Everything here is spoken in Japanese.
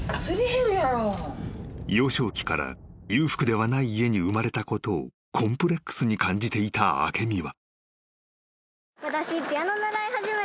［幼少期から裕福ではない家に生まれたことをコンプレックスに感じていた明美は］